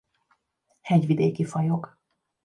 Hegyvidéki fajok.